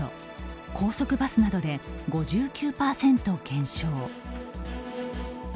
高速バスなどで５９％減少。